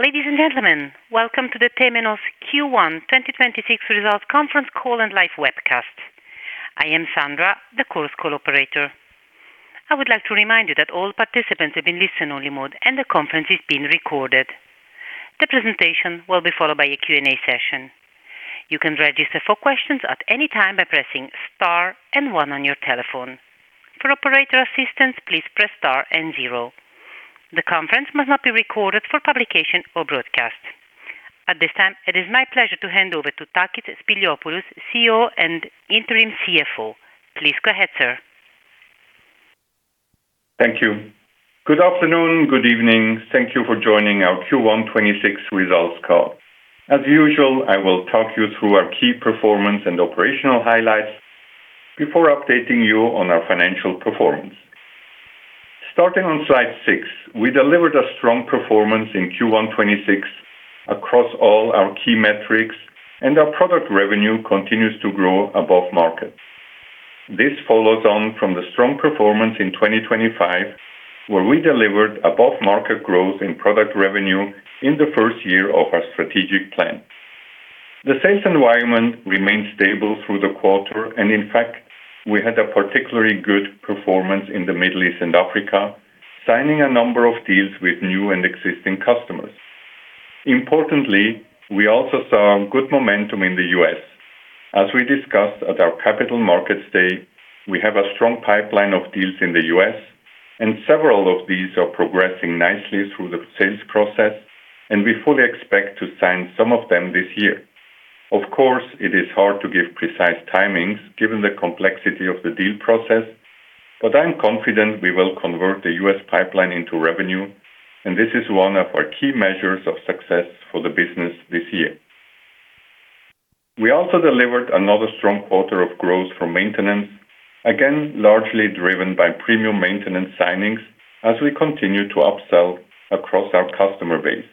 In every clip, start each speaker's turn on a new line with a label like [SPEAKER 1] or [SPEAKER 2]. [SPEAKER 1] Ladies and gentlemen, welcome to the Temenos Q1 2026 Results Conference Call and Live Webcast. I am Sandra, the Chorus Call operator. I would like to remind you that all participants are in listen-only mode and the conference is being recorded. The presentation will be followed by a Q&A session. You can register for questions at any time by pressing Star and One on your telephone. For operator assistance, please press star and zero. The conference must not be recorded for publication or broadcast. At this time, it is my pleasure to hand over to Takis Spiliopoulos, CEO and Interim CFO. Please go ahead, sir.
[SPEAKER 2] Thank you. Good afternoon, good evening. Thank you for joining our Q1 2026 results call. As usual, I will talk you through our key performance and operational highlights before updating you on our financial performance. Starting on slide 6, we delivered a strong performance in Q1 2026 across all our key metrics, and our product revenue continues to grow above market. This follows on from the strong performance in 2025, where we delivered above-market growth in product revenue in the first year of our strategic plan. The sales environment remained stable through the quarter, and in fact, we had a particularly good performance in the Middle East and Africa, signing a number of deals with new and existing customers. Importantly, we also saw good momentum in the U.S. As we discussed at our Capital Markets Day, we have a strong pipeline of deals in the U.S., and several of these are progressing nicely through the sales process, and we fully expect to sign some of them this year. Of course, it is hard to give precise timings given the complexity of the deal process, but I'm confident we will convert the U.S. pipeline into revenue, and this is one of our key measures of success for the business this year. We also delivered another strong quarter of growth from maintenance, again, largely driven by Premium Support signings as we continue to upsell across our customer base.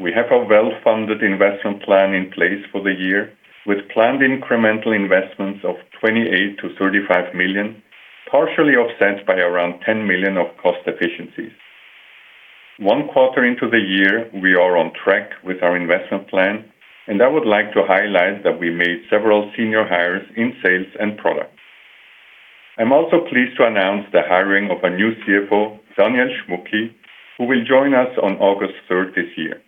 [SPEAKER 2] We have a well-funded investment plan in place for the year, with planned incremental investments of $28 million-$35 million, partially offset by around $10 million of cost efficiencies. One quarter into the year, we are on track with our investment plan, and I would like to highlight that we made several senior hires in sales and product. I'm also pleased to announce the hiring of a new CFO, Daniel Schmucki, who will join us on August 3rd this year.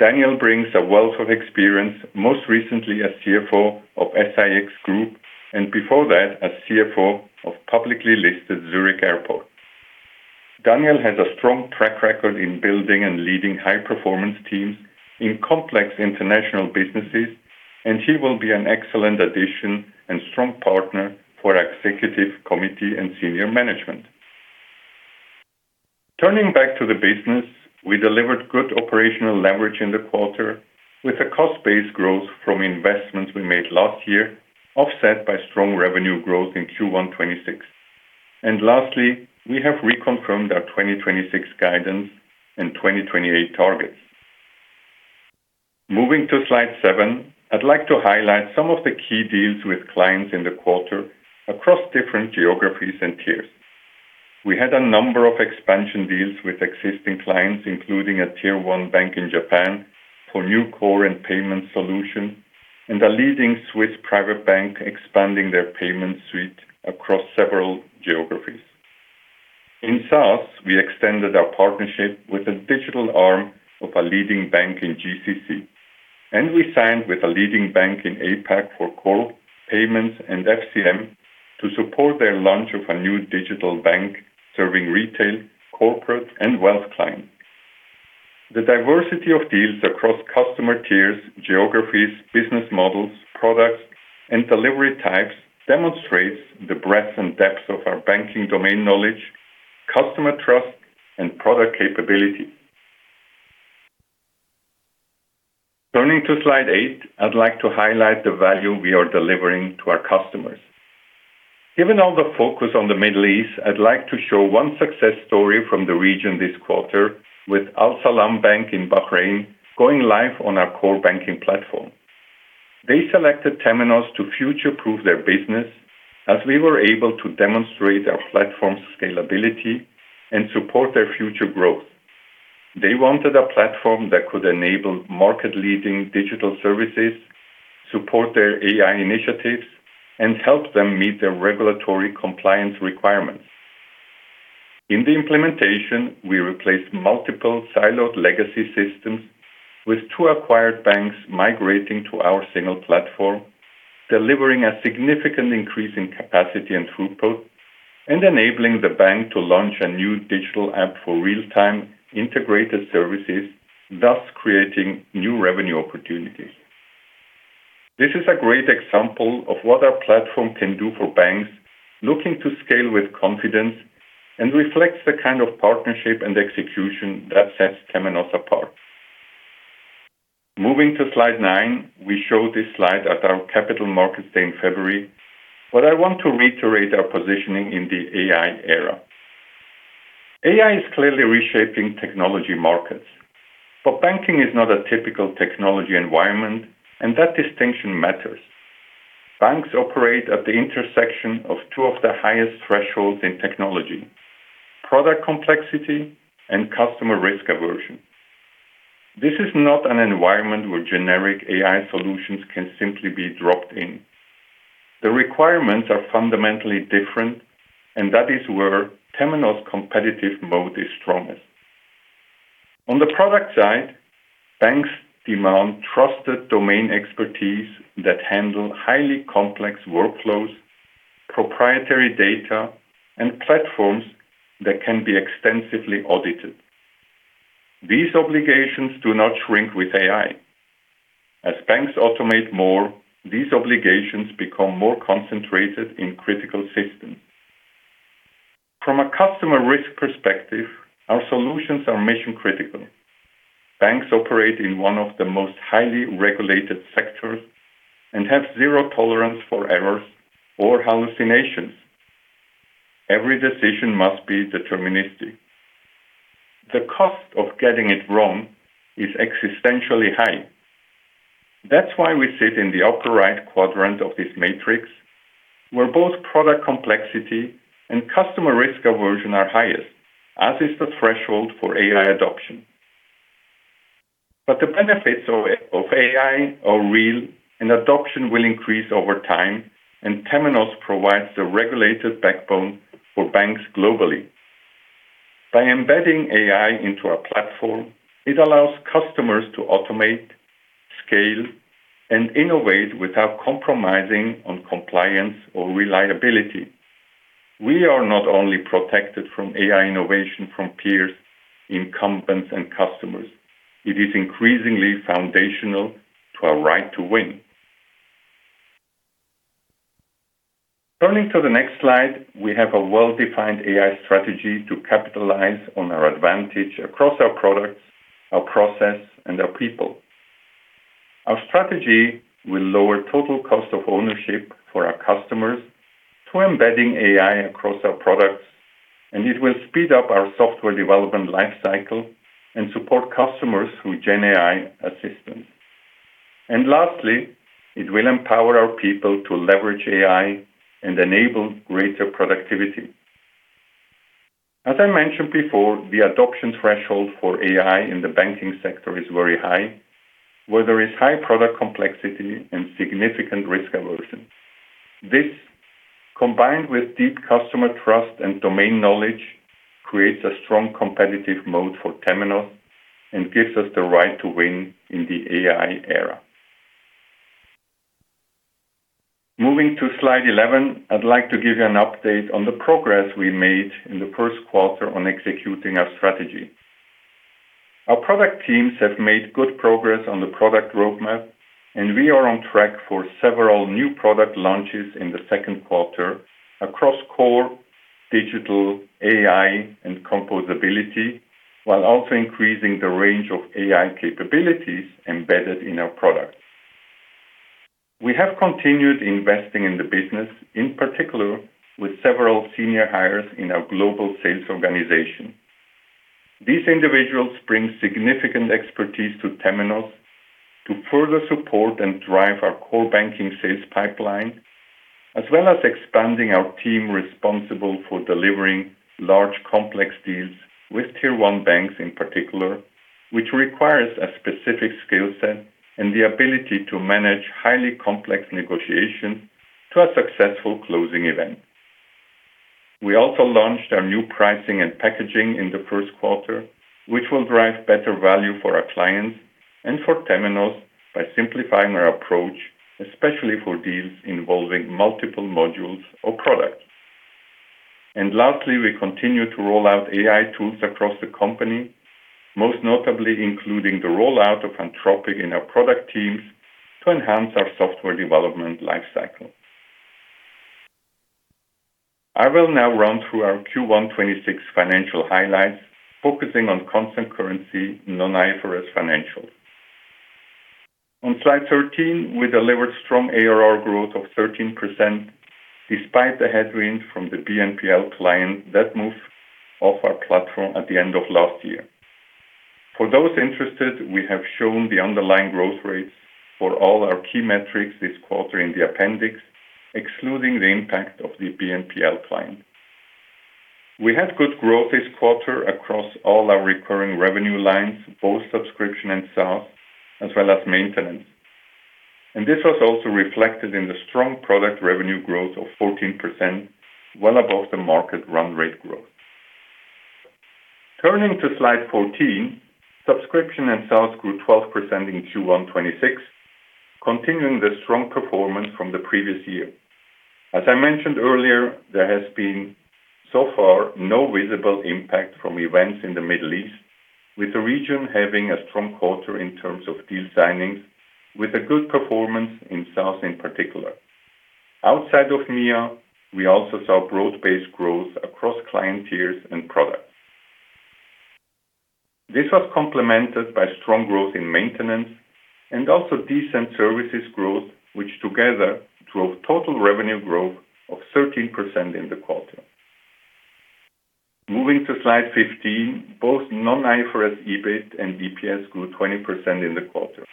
[SPEAKER 2] Daniel brings a wealth of experience, most recently as CFO of SIX Group, and before that, as CFO of publicly listed Zurich Airport. Daniel has a strong track record in building and leading high-performance teams in complex international businesses, and he will be an excellent addition and strong partner for our executive committee and senior management. Turning back to the business, we delivered good operational leverage in the quarter with a cost-based growth from investments we made last year, offset by strong revenue growth in Q1 2026. Lastly, we have reconfirmed our 2026 guidance and 2028 targets. Moving to slide seven, I'd like to highlight some of the key deals with clients in the quarter across different geographies and tiers. We had a number of expansion deals with existing clients, including a Tier 1 bank in Japan for new core and payment solution, and a leading Swiss private bank expanding their payment suite across several geographies. In SaaS, we extended our partnership with a digital arm of a leading bank in GCC, and we signed with a leading bank in APAC for core payments and FCM to support their launch of a new digital bank serving retail, corporate, and wealth clients. The diversity of deals across customer tiers, geographies, business models, products, and delivery types demonstrates the breadth and depth of our banking domain knowledge, customer trust, and product capability. Turning to slide eight, I'd like to highlight the value we are delivering to our customers. Given all the focus on the Middle East, I'd like to show one success story from the region this quarter with Al Salam Bank in Bahrain going live on our core banking platform. They selected Temenos to future-proof their business as we were able to demonstrate our platform scalability and support their future growth. They wanted a platform that could enable market-leading digital services, support their AI initiatives, and help them meet their regulatory compliance requirements. In the implementation, we replaced multiple siloed legacy systems with two acquired banks migrating to our single platform, delivering a significant increase in capacity and throughput, and enabling the bank to launch a new digital app for real-time integrated services, thus creating new revenue opportunities. This is a great example of what our platform can do for banks looking to scale with confidence and reflects the kind of partnership and execution that sets Temenos apart. Moving to slide nine, we showed this slide at our Capital Markets Day in February, but I want to reiterate our positioning in the AI era. AI is clearly reshaping technology markets, but banking is not a typical technology environment, and that distinction matters. Banks operate at the intersection of two of the highest thresholds in technology: product complexity and customer risk aversion. This is not an environment where generic AI solutions can simply be dropped in. The requirements are fundamentally different, and that is where Temenos' competitive moat is strongest. On the product side, banks demand trusted domain expertise that handle highly complex workflows, proprietary data, and platforms that can be extensively audited. These obligations do not shrink with AI. As banks automate more, these obligations become more concentrated in critical systems. From a customer risk perspective, our solutions are mission-critical. Banks operate in one of the most highly regulated sectors and have zero tolerance for errors or hallucinations. Every decision must be deterministic. The cost of getting it wrong is existentially high. That's why we sit in the upper right quadrant of this matrix, where both product complexity and customer risk aversion are highest, as is the threshold for AI adoption. But the benefits of AI are real and adoption will increase over time, and Temenos provides the regulated backbone for banks globally. By embedding AI into our platform, it allows customers to automate, scale, and innovate without compromising on compliance or reliability. We are not only protected from AI innovation from peers, incumbents, and customers. It is increasingly foundational to our right to win. Turning to the next slide, we have a well-defined AI strategy to capitalize on our advantage across our products, our process, and our people. Our strategy will lower total cost of ownership for our customers through embedding AI across our products, and it will speed up our software development life cycle and support customers with GenAI assistance. Lastly, it will empower our people to leverage AI and enable greater productivity. As I mentioned before, the adoption threshold for AI in the banking sector is very high, where there is high product complexity and significant risk aversion. This, combined with deep customer trust and domain knowledge, creates a strong competitive moat for Temenos and gives us the right to win in the AI era. Moving to slide 11, I'd like to give you an update on the progress we made in the first quarter on executing our strategy. Our product teams have made good progress on the product roadmap, and we are on track for several new product launches in the second quarter across core digital AI and composability, while also increasing the range of AI capabilities embedded in our products. We have continued investing in the business, in particular with several senior hires in our global sales organization. These individuals bring significant expertise to Temenos to further support and drive our core banking sales pipeline, as well as expanding our team responsible for delivering large, complex deals with Tier 1 banks in particular, which requires a specific skill set and the ability to manage highly complex negotiation to a successful closing event. We also launched our new pricing and packaging in the first quarter, which will drive better value for our clients and for Temenos by simplifying our approach, especially for deals involving multiple modules or products. Lastly, we continue to roll out AI tools across the company, most notably including the rollout of Anthropic in our product teams to enhance our software development life cycle. I will now run through our Q1 2026 financial highlights, focusing on constant currency, non-IFRS financials. On slide 13, we delivered strong ARR growth of 13%, despite the headwind from the BNPL client that moved off our platform at the end of last year. For those interested, we have shown the underlying growth rates for all our key metrics this quarter in the appendix, excluding the impact of the BNPL client. We had good growth this quarter across all our recurring revenue lines, both subscription and SaaS, as well as maintenance. This was also reflected in the strong product revenue growth of 14%, well above the market run rate growth. Turning to slide 14, subscription and SaaS grew 12% in Q1 2026, continuing the strong performance from the previous year. As I mentioned earlier, there has been so far no visible impact from events in the Middle East, with the region having a strong quarter in terms of deal signings with a good performance in sales in particular. Outside of MEA, we also saw broad-based growth across client tiers and products. This was complemented by strong growth in maintenance and also decent services growth, which together drove total revenue growth of 13% in the quarter. Moving to slide 15, both non-IFRS EBIT and EPS grew 20% in the quarter.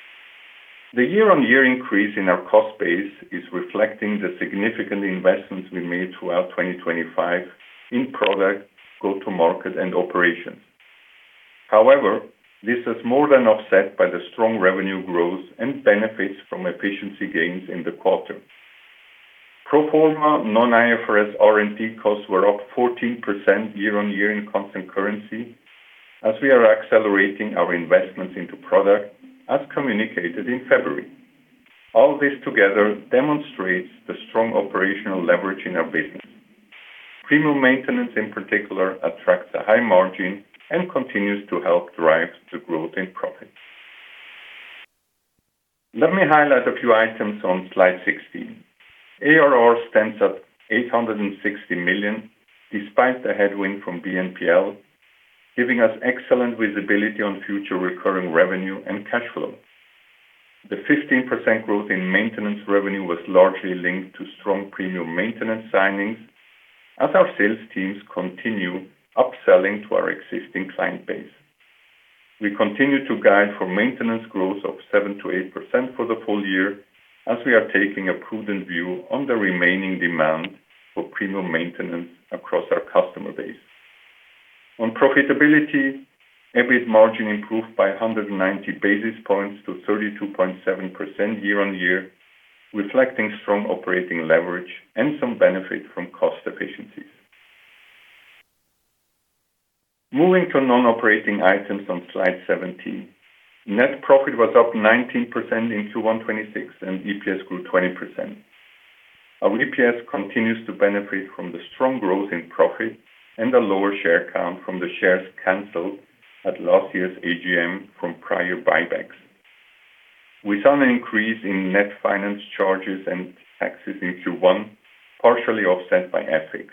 [SPEAKER 2] The year-on-year increase in our cost base is reflecting the significant investments we made throughout 2025 in product, go-to market, and operations. However, this is more than offset by the strong revenue growth and benefits from efficiency gains in the quarter. Pro forma non-IFRS R&D costs were up 14% year-on-year in constant currency as we are accelerating our investments into product, as communicated in February. All this together demonstrates the strong operational leverage in our business. Premium maintenance, in particular, attracts a high margin and continues to help drive the growth in profit. Let me highlight a few items on slide 16. ARR stands at $860 million, despite the headwind from BNPL, giving us excellent visibility on future recurring revenue and cash flow. The 15% growth in maintenance revenue was largely linked to strong Premium Support signings as our sales teams continue upselling to our existing client base. We continue to guide for maintenance growth of 7%-8% for the full year as we are taking a prudent view on the remaining demand for Premium Support across our customer base. On profitability, EBIT margin improved by 190 basis points to 32.7% year-on-year, reflecting strong operating leverage and some benefit from cost efficiencies. Moving to non-operating items on slide 17. Net profit was up 19% in Q1 2026, and EPS grew 20%. Our EPS continues to benefit from the strong growth in profit and a lower share count from the shares canceled at last year's AGM from prior buybacks. We saw an increase in net finance charges and taxes in Q1, partially offset by FX.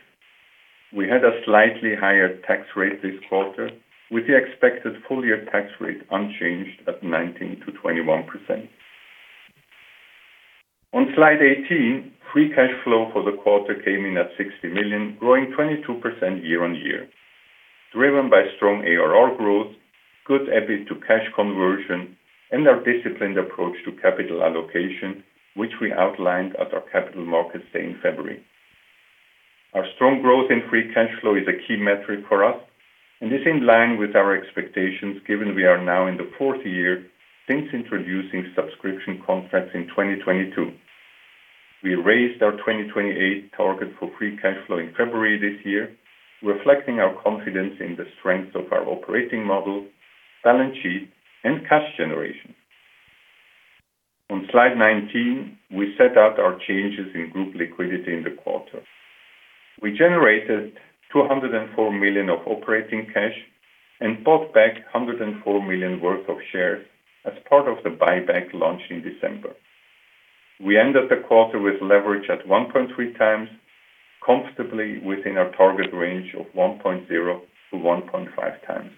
[SPEAKER 2] We had a slightly higher tax rate this quarter with the expected full-year tax rate unchanged at 19%-21%. On slide 18, free cash flow for the quarter came in at $60 million, growing 22% year-on-year, driven by strong ARR growth, good EBIT to cash conversion, and our disciplined approach to capital allocation, which we outlined at our Capital Markets Day in February. Our strong growth in free cash flow is a key metric for us and is in line with our expectations given we are now in the fourth year since introducing subscription concepts in 2022. We raised our 2028 target for free cash flow in February this year, reflecting our confidence in the strength of our operating model, balance sheet, and cash generation. On slide 19, we set out our changes in group liquidity in the quarter. We generated $204 million of operating cash and bought back $104 million worth of shares as part of the buyback launch in December. We ended the quarter with leverage at 1.3x, comfortably within our target range of 1.0-1.5x.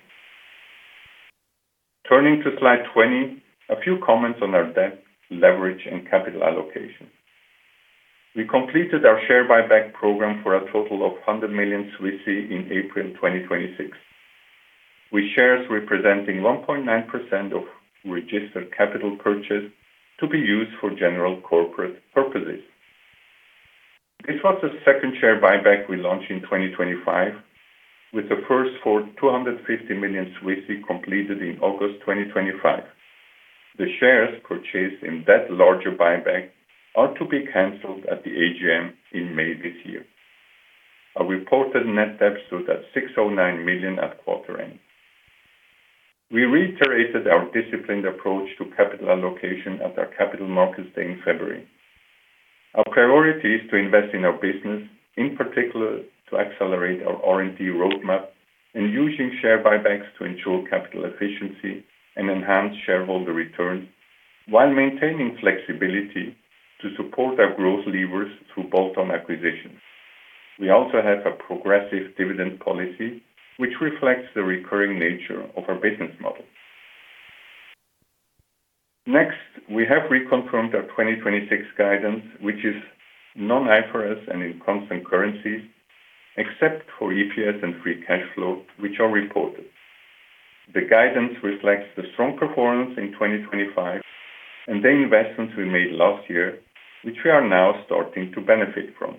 [SPEAKER 2] Turning to slide 20, a few comments on our debt, leverage, and capital allocation. We completed our share buyback program for a total of 100 million CHF in April 2026. With shares representing 1.9% of registered capital purchased to be used for general corporate purposes. This was the second share buyback we launched in 2025, with the first for 250 million completed in August 2025. The shares purchased in that larger buyback are to be canceled at the AGM in May this year. Our reported net debt stood at $609 million at quarter end. We reiterated our disciplined approach to capital allocation at our Capital Markets Day in February. Our priority is to invest in our business, in particular, to accelerate our R&D roadmap and using share buybacks to ensure capital efficiency and enhance shareholder returns while maintaining flexibility to support our growth levers through bolt-on acquisitions. We also have a progressive dividend policy which reflects the recurring nature of our business model. Next, we have reconfirmed our 2026 guidance, which is non-IFRS and in constant currency, except for EPS and free cash flow, which are reported. The guidance reflects the strong performance in 2025 and the investments we made last year, which we are now starting to benefit from.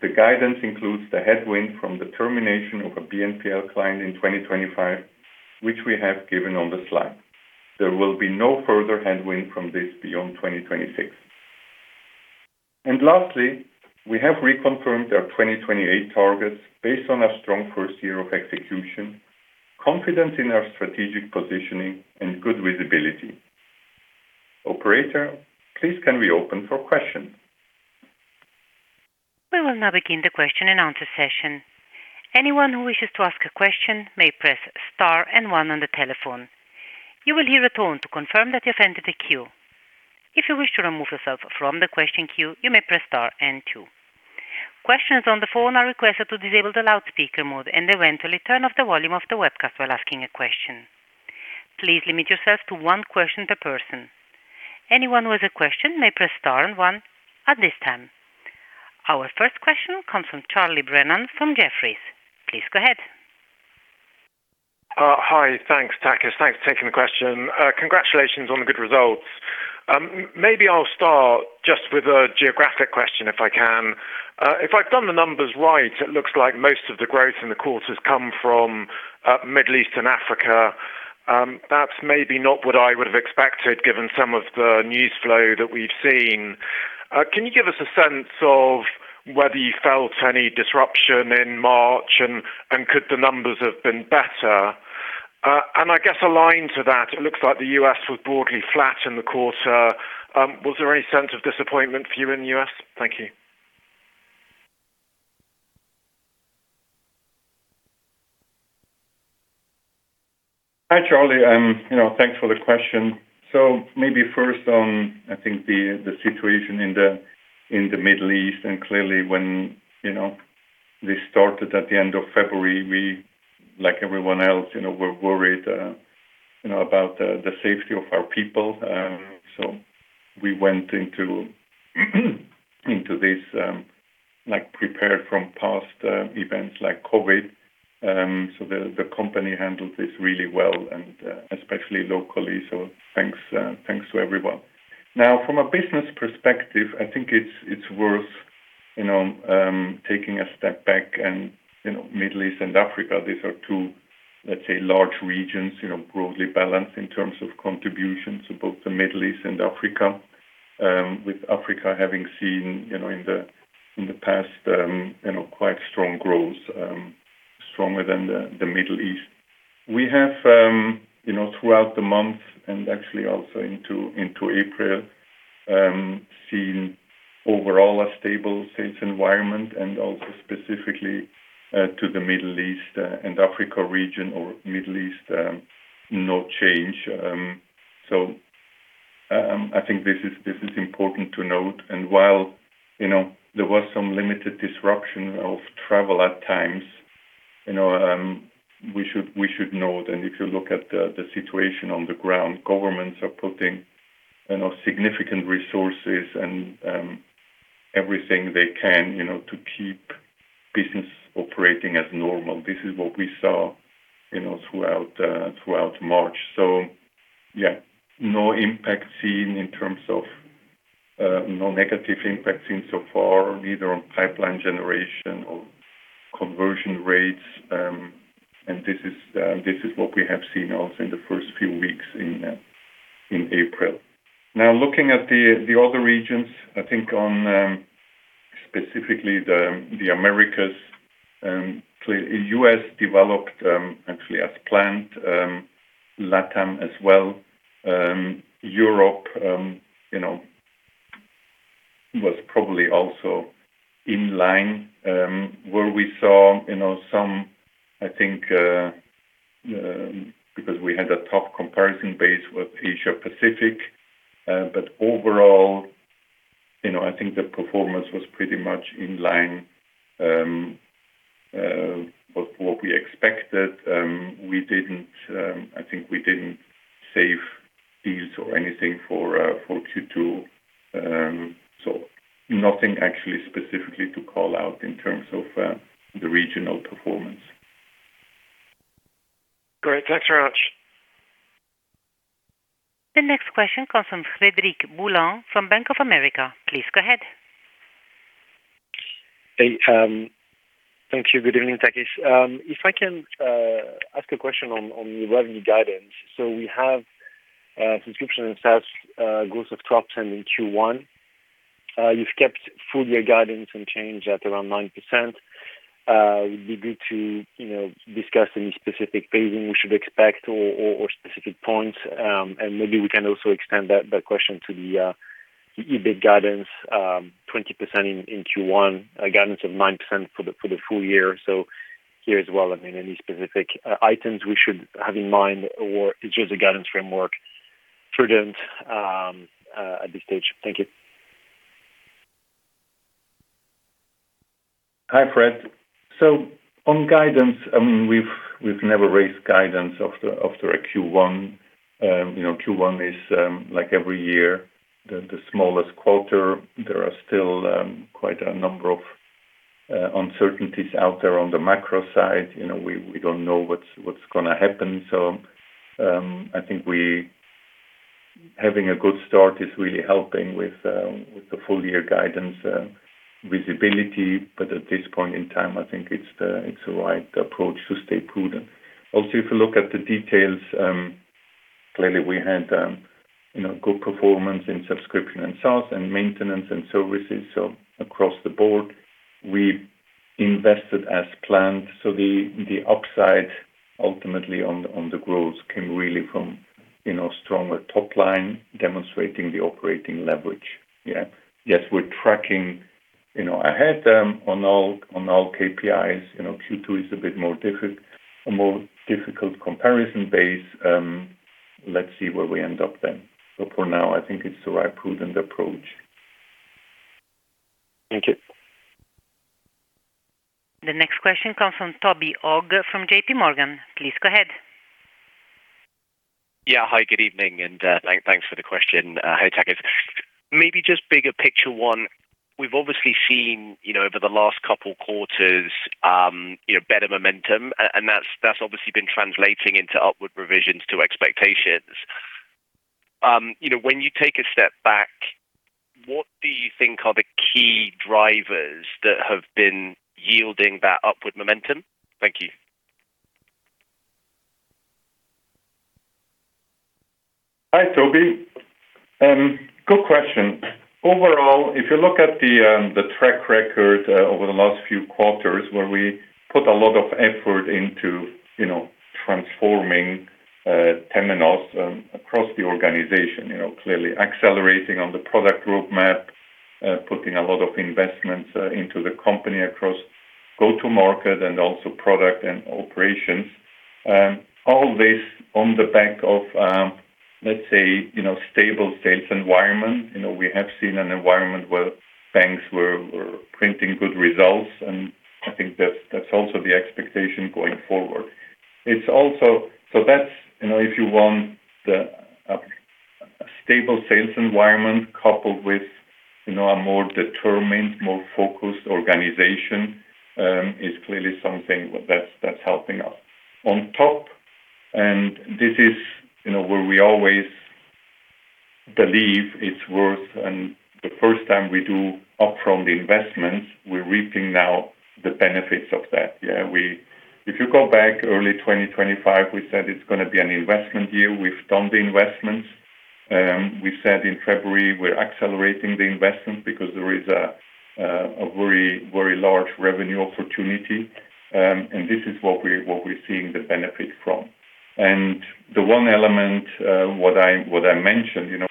[SPEAKER 2] The guidance includes the headwind from the termination of a BNPL client in 2025, which we have given on the slide. There will be no further headwind from this beyond 2026. Lastly, we have reconfirmed our 2028 targets based on our strong first year of execution, confidence in our strategic positioning, and good visibility. Operator, please can we open for questions?
[SPEAKER 1] We will now begin the question and answer session. Anyone who wishes to ask a question may press star and one on the telephone. You will hear a tone to confirm that you have entered the queue. If you wish to remove yourself from the question queue, you may press star and two. Questions on the phone are requested to disable the loudspeaker mode and eventually turn off the volume of the webcast while asking a question. Please limit yourself to one question per person. Anyone with a question may press star and one at this time. Our first question comes from Charlie Brennan from Jefferies. Please go ahead.
[SPEAKER 3] Hi. Thanks, Takis. Thanks for taking the question. Congratulations on the good results. Maybe I'll start just with a geographic question, if I can. If I've done the numbers right, it looks like most of the growth in the quarter has come from Middle East and Africa. Perhaps maybe not what I would have expected, given some of the news flow that we've seen. Can you give us a sense of whether you felt any disruption in March, and could the numbers have been better? I guess aligned to that, it looks like the U.S. was broadly flat in the quarter. Was there any sense of disappointment for you in the U.S.? Thank you.
[SPEAKER 2] Hi, Charlie. Thanks for the question. Maybe first on, I think the situation in the Middle East, and clearly when this started at the end of February, we, like everyone else, were worried about the safety of our people. We went into this prepared from past events like COVID. The company handled this really well, and especially locally. Thanks to everyone. Now, from a business perspective, I think it's worth taking a step back and, Middle East and Africa, these are two, let's say, large regions, broadly balanced in terms of contributions to both the Middle East and Africa, with Africa having seen in the past quite strong growth, stronger than the Middle East. We have, throughout the month and actually also into April, seen overall a stable sales environment and also specifically to the Middle East and Africa region or Middle East, no change. I think this is important to note. While there was some limited disruption of travel at times, we should note, and if you look at the situation on the ground, governments are putting significant resources and everything they can to keep business operating as normal. This is what we saw throughout March. Yeah, no negative impact seen so far, neither on pipeline generation or conversion rates. This is what we have seen also in the first few weeks in April. Now looking at the other regions, I think on specifically the Americas. In the U.S., it developed actually as planned, LATAM as well. Europe was probably also in line, where we saw some, I think, because we had a tough comparison base with Asia Pacific. Overall, I think the performance was pretty much in line with what we expected. I think we didn't save deals or anything for Q2. Nothing actually specifically to call out in terms of the regional performance.
[SPEAKER 3] Great. Thanks very much.
[SPEAKER 1] The next question comes from Frederic Boulan from Bank of America. Please go ahead.
[SPEAKER 4] Hey. Thank you. Good evening, Takis. If I can ask a question on the revenue guidance. We have subscription and SaaS growth of 10% in Q1. You've kept full-year guidance unchanged at around 9%. Would be good to discuss any specific pacing we should expect or specific points. Maybe we can also extend that question to the EBIT guidance, 20% in Q1, guidance of 9% for the full year. Here as well, any specific items we should have in mind, or it's just a guidance framework, prudent at this stage? Thank you.
[SPEAKER 2] Hi, Fred. On guidance, we've never raised guidance after a Q1. Q1 is, like every year, the smallest quarter. There are still quite a number of uncertainties out there on the macro side. We don't know what's going to happen. I think having a good start is really helping with the full-year guidance visibility. At this point in time, I think it's the right approach to stay prudent. Also, if you look at the details, clearly we had good performance in subscription and SaaS and maintenance and services. Across the board, we invested as planned. The upside ultimately on the growth came really from stronger top line demonstrating the operating leverage. Yeah. Yes, we're tracking ahead on all KPIs. Q2 is a bit more difficult comparison basis. Let's see where we end up then. For now, I think it's the right prudent approach.
[SPEAKER 4] Thank you.
[SPEAKER 1] The next question comes from Toby Ogg from JPMorgan. Please go ahead.
[SPEAKER 5] Yeah. Hi, good evening, and thanks for the question. Hi, Takis. Maybe just bigger picture one, we've obviously seen over the last couple quarters better momentum, and that's obviously been translating into upward revisions to expectations. When you take a step back, what do you think are the key drivers that have been yielding that upward momentum? Thank you.
[SPEAKER 2] Hi, Toby. Good question. Overall, if you look at the track record over the last few quarters where we put a lot of effort into transforming Temenos across the organization, clearly accelerating on the product roadmap, putting a lot of investments into the company across go-to market and also product and operations. All this on the back of, let's say, stable sales environment. We have seen an environment where banks were printing good results, and I think that's also the expectation going forward. If you want a stable sales environment coupled with a more determined, more focused organization, is clearly something that's helping us. On top, and this is where we always believe it's worth and the first time we do upfront the investments, we're reaping now the benefits of that. Yeah. If you go back early 2025, we said it's going to be an investment year. We've done the investments. We said in February we're accelerating the investments because there is a very large revenue opportunity. This is what we're seeing the benefit from, the one element what I mentioned,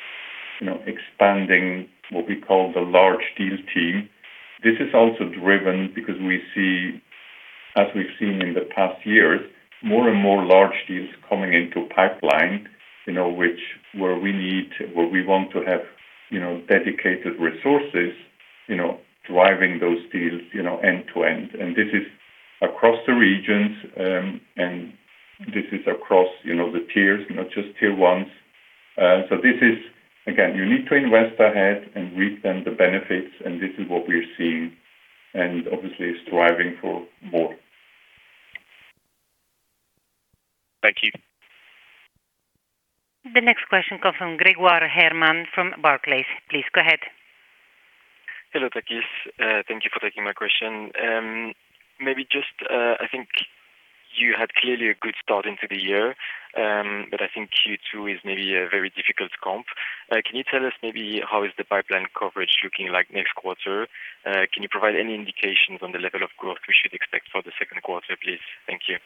[SPEAKER 2] expanding what we call the large deals team. This is also driven because we see, as we've seen in the past years, more and more large deals coming into pipeline, where we want to have dedicated resources driving those deals end-to-end. This is across the regions, and this is across the tiers, not just Tier 1s. Again, you need to invest ahead and reap then the benefits, and this is what we're seeing, and obviously striving for more.
[SPEAKER 5] Thank you.
[SPEAKER 1] The next question comes from Grégoire Hermann from Barclays. Please go ahead.
[SPEAKER 6] Hello, Takis. Thank you for taking my question. I think you had clearly a good start into the year, but I think Q2 is maybe a very difficult comp. Can you tell us maybe how is the pipeline coverage looking like next quarter? Can you provide any indications on the level of growth we should expect for the second quarter, please? Thank you.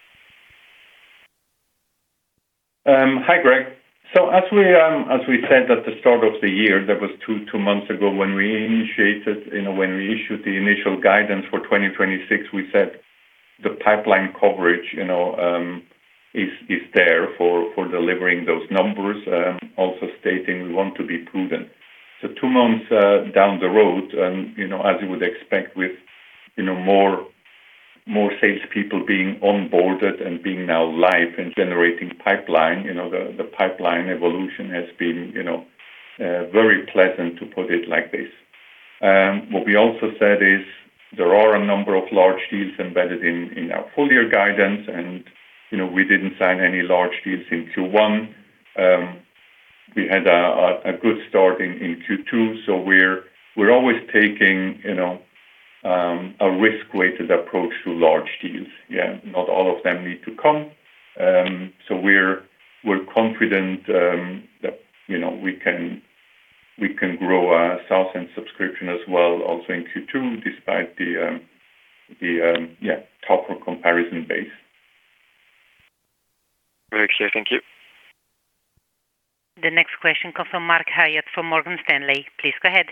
[SPEAKER 2] Hi, Greg. As we said at the start of the year, that was two months ago when we issued the initial guidance for 2026, we said the pipeline coverage is there for delivering those numbers, also stating we want to be proven. Two months down the road, as you would expect with more salespeople being onboarded and being now live and generating pipeline, the pipeline evolution has been very pleasant, to put it like this. What we also said is there are a number of large deals embedded in our full year guidance, and we didn't sign any large deals in Q1. We had a good start in Q2, so we're always taking a risk-weighted approach to large deals. Yeah. Not all of them need to come. We're confident that we can grow our sales and subscription as well also in Q2 despite the tougher comparison base.
[SPEAKER 6] Very clear. Thank you.
[SPEAKER 1] The next question comes from Mark Hyatt from Morgan Stanley. Please go ahead.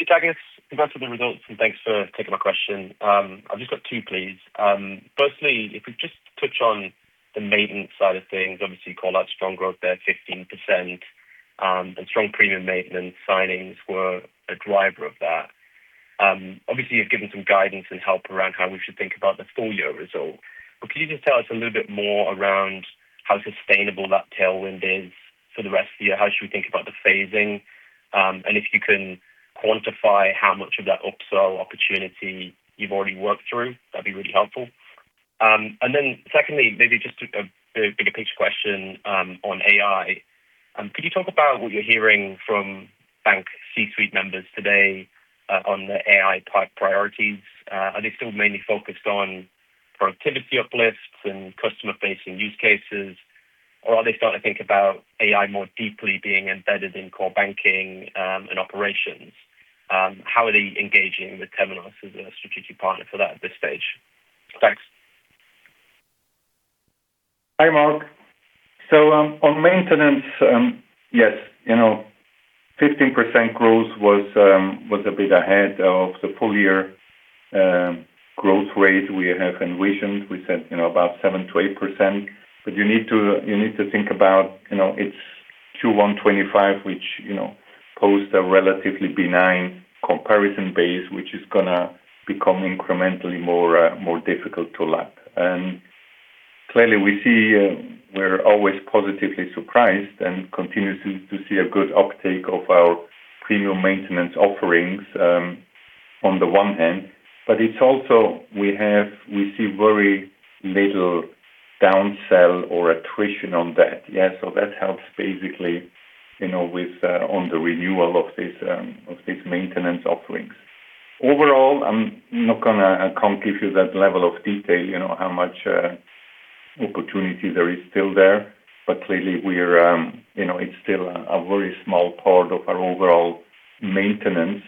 [SPEAKER 7] Takis, congrats on the results, and thanks for taking my question. I've just got two, please. First, if we just touch on the maintenance side of things, obviously you called out strong growth there, 15%, and strong Premium Support signings were a driver of that. Obviously, you've given some guidance and help around how we should think about the full year result. Could you just tell us a little bit more around how sustainable that tailwind is for the rest of the year? How should we think about the phasing? If you can quantify how much of that upsell opportunity you've already worked through, that'd be really helpful. Then second, maybe just a bigger picture question on AI. Could you talk about what you're hearing from bank C-suite members today on the AI priorities? Are they still mainly focused on productivity uplifts and customer-facing use cases, or are they starting to think about AI more deeply being embedded in core banking and operations? How are they engaging with Temenos as a strategic partner for that at this stage? Thanks.
[SPEAKER 2] Hi, Mark. On maintenance, yes, 15% growth was a bit ahead of the full year growth rate we have envisioned. We said about 7%-8%, but you need to think about it's Q1 2025, which posed a relatively benign comparison base, which is going to become incrementally more difficult to lap. Clearly we see we're always positively surprised and continue to see a good uptake of our premium maintenance offerings on the one hand, but it's also we see very little downsell or attrition on that. Yeah. That helps basically on the renewal of these maintenance offerings. Overall, I'm not going to give you that level of detail, how much opportunity there is still there. Clearly it's still a very small part of our overall maintenance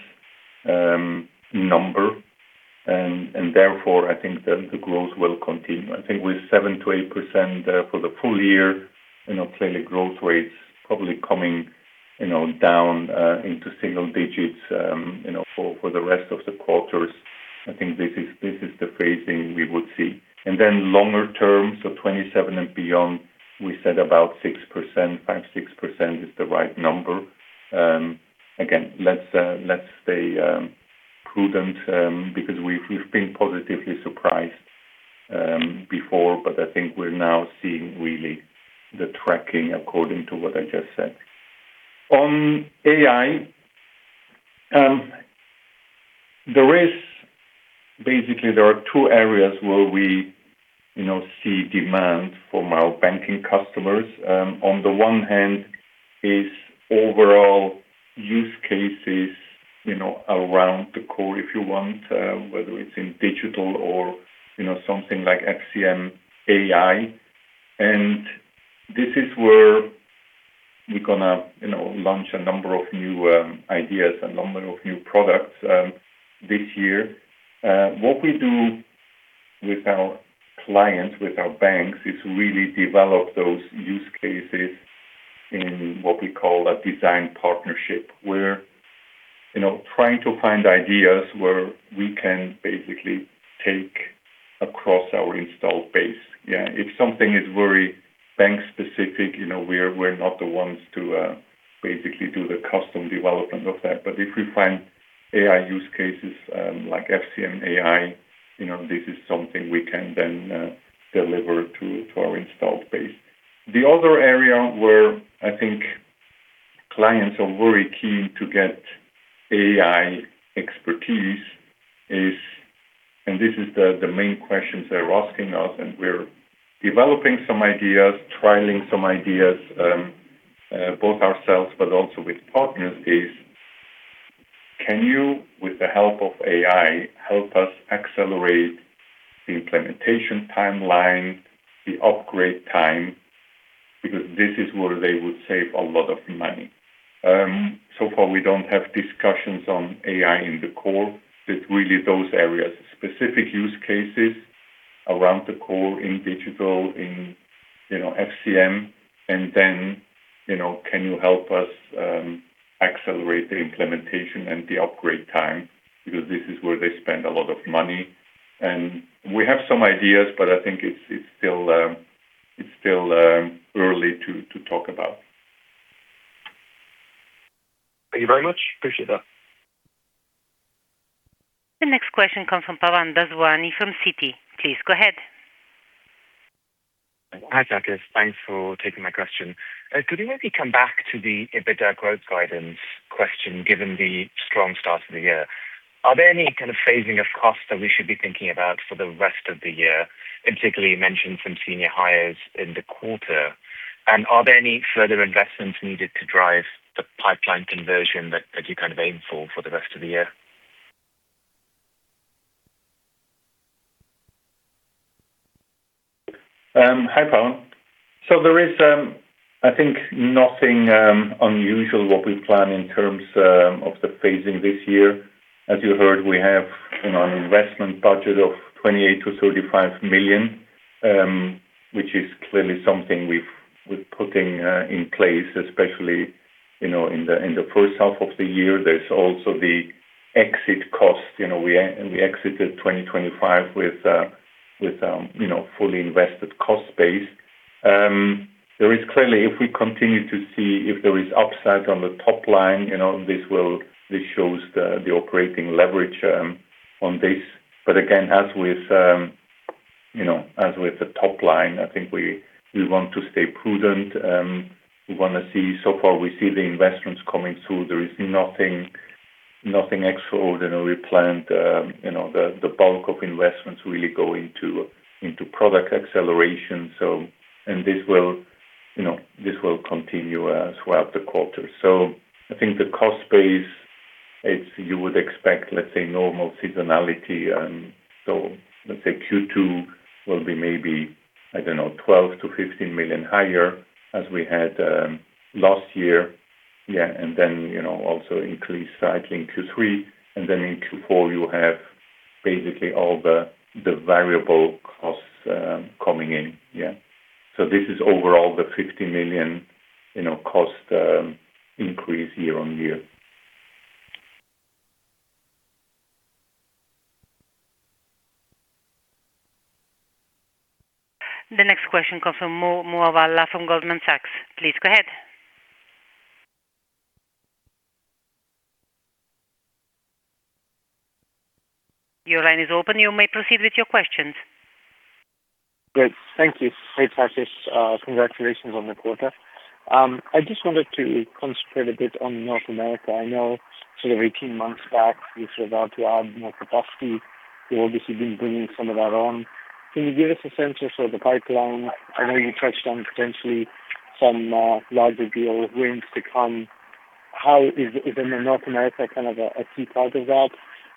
[SPEAKER 2] number. Therefore, I think then the growth will continue. I think with 7%-8% for the full year, clearly growth rates probably coming down into single digits for the rest of the quarters. I think this is the phasing we would see. Then longer term, so 2027 and beyond, we said about 5%-6% is the right number. Again, let's stay prudent because we've been positively surprised before, but I think we're now seeing really the tracking according to what I just said. On AI, basically there are two areas where we see demand from our banking customers. On the one hand is overall use cases around the core, if you want, whether it's in digital or something like FCM AI. This is where we're going to launch a number of new ideas, a number of new products this year. What we do with our clients, with our banks is really develop those use cases in what we call a design partnership, where we're trying to find ideas where we can basically take across our installed base. Yeah. If something is very bank specific, we're not the ones to basically do the custom development of that. If we find AI use cases, like FCM AI, this is something we can then deliver to our installed base. The other area where I think clients are very keen to get AI expertise is, and this is the main questions they're asking us, and we're developing some ideas, trialing some ideas, both ourselves but also with partners, is can you, with the help of AI, help us accelerate the implementation timeline, the upgrade time? Because this is where they would save a lot of money. So far we don't have discussions on AI in the core. It's really those areas, specific use cases around the core in digital, in FCM. Can you help us accelerate the implementation and the upgrade time? Because this is where they spend a lot of money. We have some ideas, but I think it's still early to talk about.
[SPEAKER 1] Thank you very much. Appreciate that. The next question comes from Pavan Daswani from Citi. Please go ahead.
[SPEAKER 8] Hi, Takis. Thanks for taking my question. Could you maybe come back to the EBITDA growth guidance question, given the strong start to the year? Are there any kind of phasing of costs that we should be thinking about for the rest of the year? Particularly, you mentioned some senior hires in the quarter. Are there any further investments needed to drive the pipeline conversion that you kind of aim for for the rest of the year?
[SPEAKER 2] Hi, Pavan. There is, I think, nothing unusual what we plan in terms of the phasing this year. As you heard, we have an investment budget of $28 million-$35 million, which is clearly something we're putting in place, especially in the first half of the year. There's also the exit cost. We exited 2025 with fully invested cost base. There is clearly, if we continue to see if there is upside on the top line, this shows the operating leverage on this. Again, as with the top line, I think we want to stay prudent. We want to see, so far we see the investments coming through. There is nothing extraordinary planned. The bulk of investments really go into product acceleration. This will continue throughout the quarter. I think the cost base, you would expect, let's say normal seasonality. Let's say Q2 will be maybe, I don't know, $12 million-$15 million higher as we had last year. Yeah. Then also increased slightly in Q3. Then in Q4, you have basically all the variable costs coming in. Yeah. This is overall the $50 million cost increase year-over-year.
[SPEAKER 1] The next question comes from Mo Moawalla from Goldman Sachs. Please go ahead. Your line is open. You may proceed with your questions.
[SPEAKER 9] Great. Thank you. Hey, Takis. Congratulations on the quarter. I just wanted to concentrate a bit on North America. I know 18 months back you set out to add more capacity. You obviously have been bringing some of that on. Can you give us a sense of the pipeline? I know you touched on potentially some larger deal wins to come. Is North America a key part of that?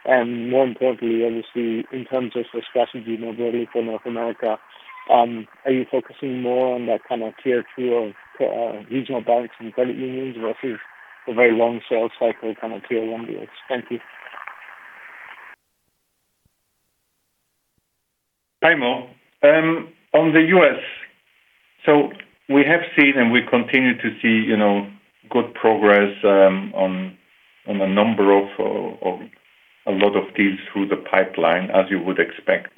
[SPEAKER 9] More importantly, obviously, in terms of the strategy more broadly for North America, are you focusing more on that Tier 2 of regional banks and credit unions versus the very long sales cycle Tier 1 deals? Thank you.
[SPEAKER 2] Hi, Mo. On the U.S., we have seen and we continue to see good progress on a number of, a lot of deals through the pipeline, as you would expect.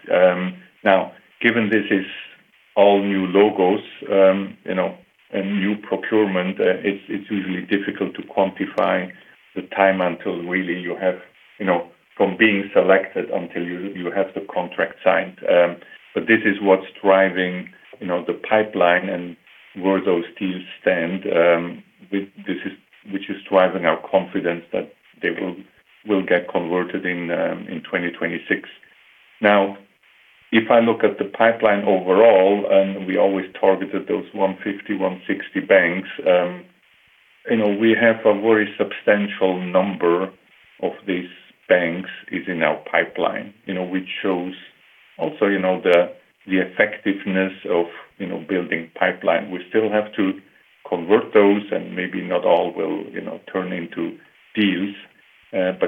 [SPEAKER 2] Now, given this is all new logos, and new procurement it's usually difficult to quantify the time until really you have from being selected until you have the contract signed. This is what's driving the pipeline and where those deals stand which is driving our confidence that they will get converted in 2026. Now, if I look at the pipeline overall, and we always targeted those 150-160 banks, we have a very substantial number of these banks is in our pipeline which shows also the effectiveness of building pipeline. We still have to convert those and maybe not all will turn into deals.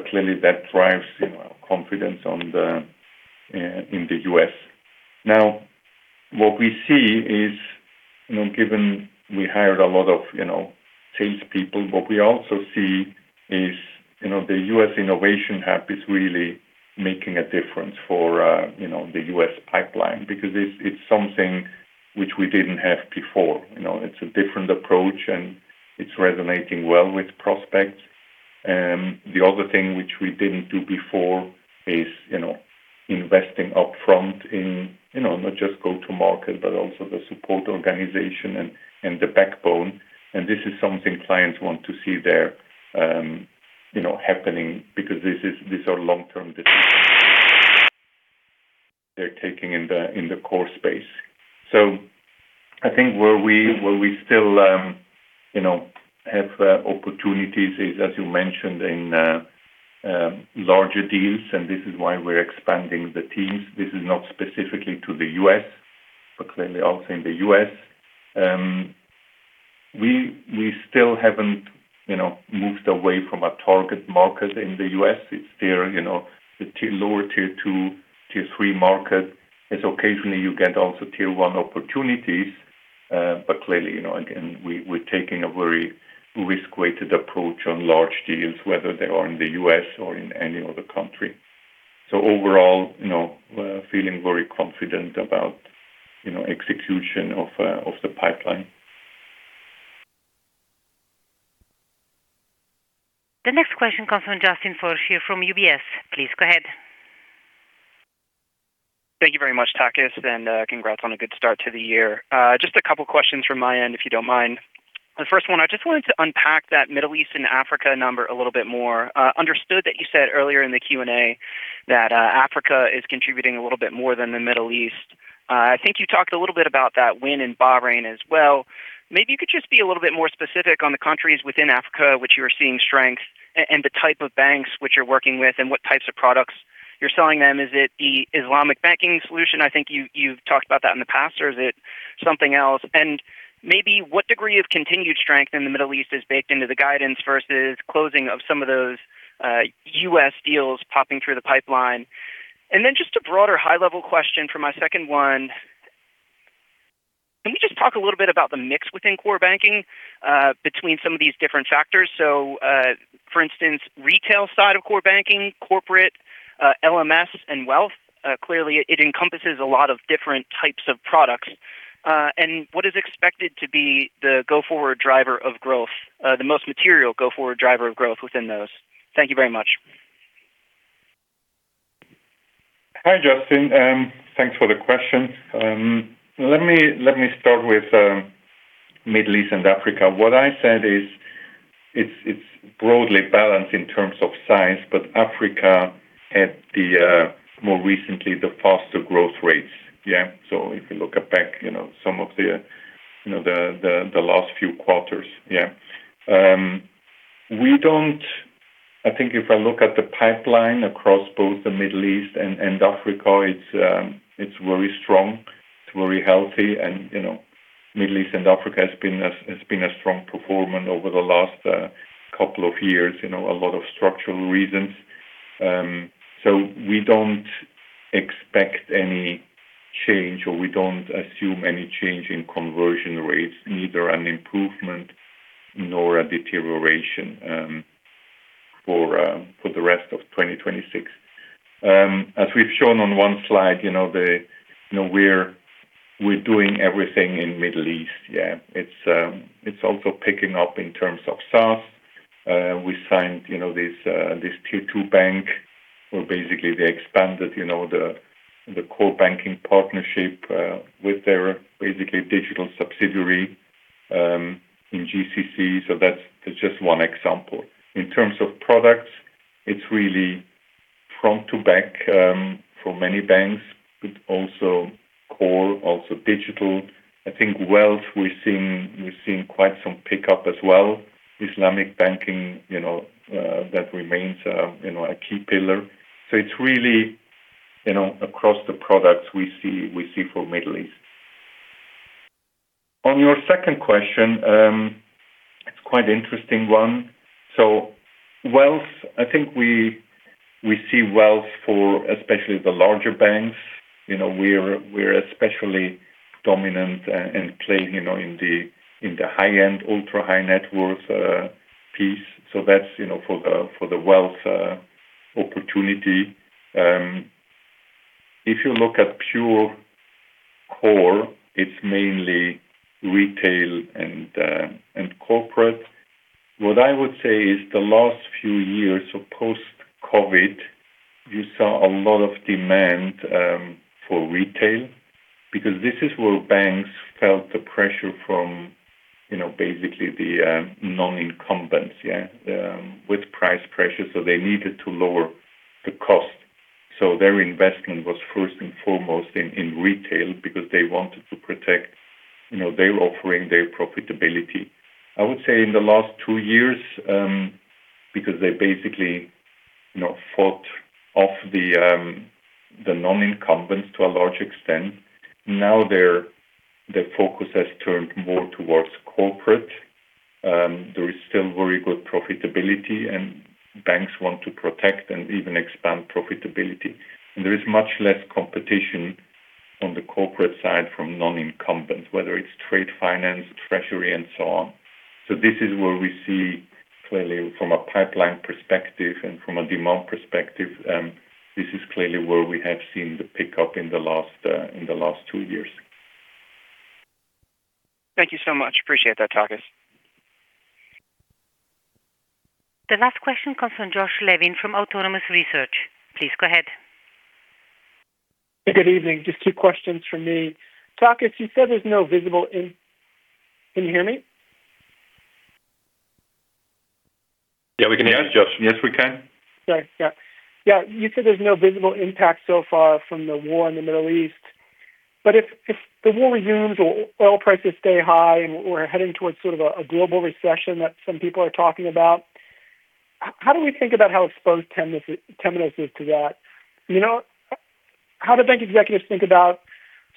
[SPEAKER 2] Clearly that drives confidence in the U.S. Now, what we see is, given we hired a lot of sales people, what we also see is the U.S. innovation hub is really making a difference for the U.S. pipeline, because it's something which we didn't have before. It's a different approach, and it's resonating well with prospects. The other thing which we didn't do before is investing upfront in not just go to market, but also the support organization and the backbone. This is something clients want to see there happening because these are long-term decisions they're taking in the core space. I think where we still have opportunities is, as you mentioned, in larger deals, and this is why we're expanding the teams. This is not specifically to the U.S., but clearly also in the U.S. We still haven't moved away from our target market in the U.S. It's there, the lower Tier 2, Tier 3 market. It's occasionally you get also Tier 1 opportunities. But clearly, again, we're taking a very risk-weighted approach on large deals, whether they are in the U.S. or in any other country. Overall, feeling very confident about execution of the pipeline.
[SPEAKER 1] The next question comes from Justin Forcier from UBS. Please go ahead.
[SPEAKER 10] Thank you very much, Takis, and congrats on a good start to the year. Just a couple questions from my end, if you don't mind. The first one, I just wanted to unpack that Middle East and Africa number a little bit more. Understood that you said earlier in the Q&A that Africa is contributing a little bit more than the Middle East. I think you talked a little bit about that win in Bahrain as well. Maybe you could just be a little bit more specific on the countries within Africa which you are seeing strength, and the type of banks which you're working with and what types of products you're selling them. Is it the Islamic banking solution? I think you've talked about that in the past, or is it something else? Maybe what degree of continued strength in the Middle East is baked into the guidance versus closing of some of those U.S. deals popping through the pipeline? Just a broader high-level question for my second one. Can you just talk a little bit about the mix within core banking between some of these different factors? For instance, retail side of core banking, corporate, LMS, and wealth. Clearly, it encompasses a lot of different types of products. What is expected to be the go-forward driver of growth, the most material go-forward driver of growth within those? Thank you very much.
[SPEAKER 2] Hi, Justin. Thanks for the question. Let me start with Middle East and Africa. What I said is it's broadly balanced in terms of size, but Africa had more recently the faster growth rates. Yeah. If you look back, some of the last few quarters, yeah. I think if I look at the pipeline across both the Middle East and Africa, it's very strong, it's very healthy, and Middle East and Africa has been a strong performer over the last couple of years, a lot of structural reasons. We don't expect any change or we don't assume any change in conversion rates, neither an improvement nor a deterioration for the rest of 2026. As we've shown on one slide, we're doing everything in Middle East. Yeah. It's also picking up in terms of SaaS. We signed this tier two bank, or basically they expanded the core banking partnership with their, basically, digital subsidiary in GCC. That's just one example. In terms of products, it's really front to back for many banks, but also core, also digital. I think wealth, we're seeing quite some pickup as well. Islamic banking, that remains a key pillar. It's really across the products we see for Middle East. On your second question, it's quite interesting one. Wealth, I think we see wealth for especially the larger banks. We're especially dominant and playing in the high-end, ultra-high net worth piece. That's for the wealth opportunity. If you look at pure core, it's mainly retail and corporate. What I would say is the last few years, so post-COVID, you saw a lot of demand for retail because this is where banks felt the pressure from basically the non-incumbents, yeah, with price pressure, so they needed to lower the cost. Their investment was first and foremost in retail because they wanted to protect their offering, their profitability. I would say in the last two years, because they basically fought off the non-incumbents to a large extent, now their focus has turned more toward corporate. There is still very good profitability, and banks want to protect and even expand profitability. There is much less competition on the corporate side from non-incumbents, whether it's trade finance, treasury, and so on. This is where we see clearly from a pipeline perspective and from a demand perspective, this is clearly where we have seen the pickup in the last two years.
[SPEAKER 10] Thank you so much. Appreciate that, Takis.
[SPEAKER 1] The last question comes from Josh Levin from Autonomous Research. Please go ahead.
[SPEAKER 11] Good evening. Just two questions from me. Takis, you said there's no visible. Can you hear me?
[SPEAKER 2] Yeah, we can hear you, Josh. Yes, we can.
[SPEAKER 11] Sorry. Yeah. You said there's no visible impact so far from the war in the Middle East. If the war resumes or oil prices stay high and we're heading towards sort of a global recession that some people are talking about, how do we think about how exposed Temenos is to that? How do bank executives think about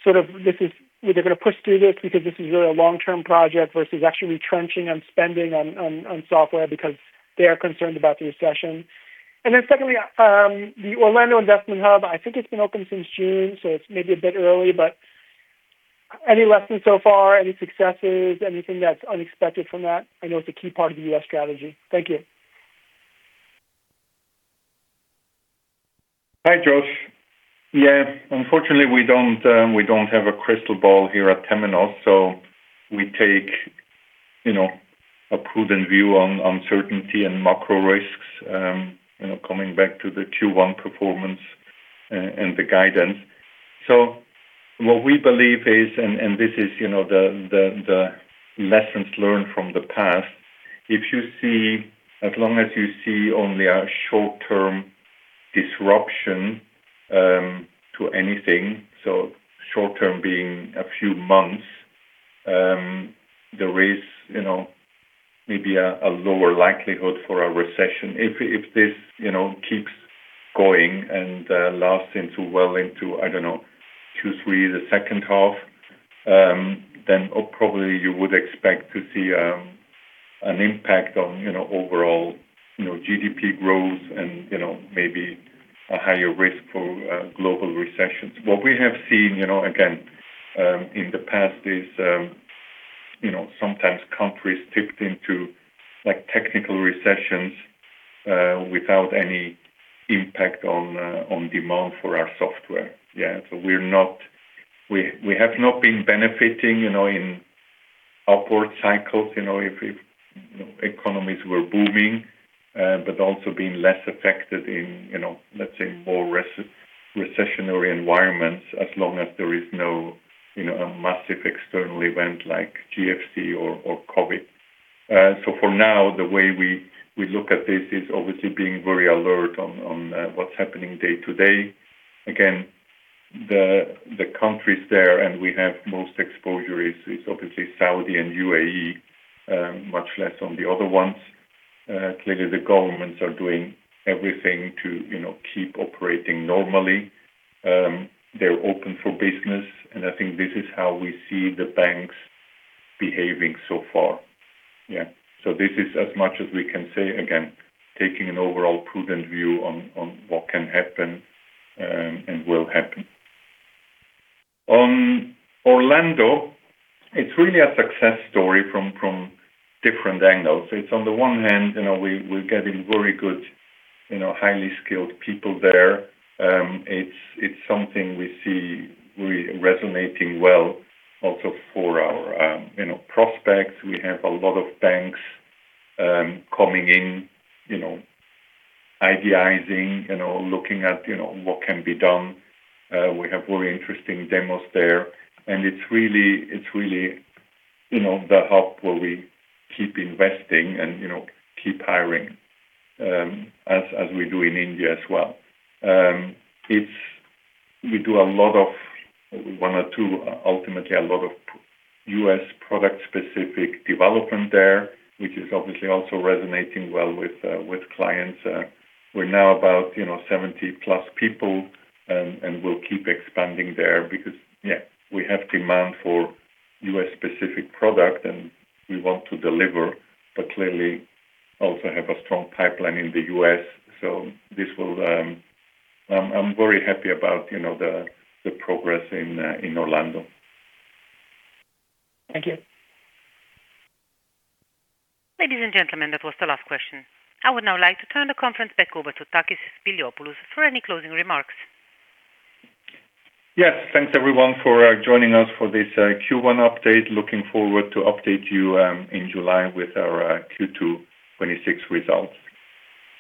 [SPEAKER 11] if they're going to push through this because this is really a long-term project versus actually retrenching on spending on software because they are concerned about the recession? Then secondly, the Orlando investment hub, I think it's been open since June, so it's maybe a bit early, but any lessons so far, any successes, anything that's unexpected from that? I know it's a key part of the U.S. strategy. Thank you.
[SPEAKER 2] Hi, Josh. Yeah, unfortunately, we don't have a crystal ball here at Temenos, so we take a prudent view on uncertainty and macro risks, coming back to the Q1 performance, and the guidance. What we believe is, and this is the lessons learned from the past, as long as you see only a short-term disruption to anything, so short-term being a few months, there is maybe a lower likelihood for a recession. If this keeps going and lasts well into, I don't know, Q3, the second half, then probably you would expect to see an impact on overall GDP growth and maybe a higher risk for global recessions. What we have seen, again, in the past is sometimes countries tipped into technical recessions without any impact on demand for our software. Yeah. We have not been benefiting in upward cycles, if economies were booming, but also being less affected in, let's say, more recessionary environments as long as there is no massive external event like GFC or COVID. For now, the way we look at this is obviously being very alert on what's happening day to day. Again, the countries there, and we have most exposure is obviously Saudi and UAE, much less on the other ones. Clearly, the governments are doing everything to keep operating normally. They're open for business, and I think this is how we see the banks behaving so far. Yeah. This is as much as we can say, again, taking an overall prudent view on what can happen and will happen. On Orlando, it's really a success story from different angles. It's on the one hand, we're getting very good, highly skilled people there. It's something we see resonating well also for our prospects. We have a lot of banks coming in, ideating, looking at what can be done. We have very interesting demos there, and it's really the hub where we keep investing and keep hiring, as we do in India as well. We do a lot of one or two, ultimately a lot of U.S. product-specific development there, which is obviously also resonating well with clients. We're now about 70+ people, and we'll keep expanding there because, yeah, we have demand for U.S.-specific product and we want to deliver, but clearly also have a strong pipeline in the U.S. I'm very happy about the progress in Orlando.
[SPEAKER 11] Thank you.
[SPEAKER 1] Ladies and gentlemen, that was the last question. I would now like to turn the conference back over to Takis Spiliopoulos for any closing remarks.
[SPEAKER 2] Yes. Thanks everyone for joining us for this Q1 update. Looking forward to update you in July with our Q2 2026 results.